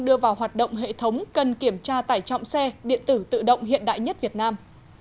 đưa vào hoạt động hệ thống cần kiểm tra tải trọng xe điện tử tự động hiện đại nhất việt nam